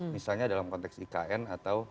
misalnya dalam konteks ikn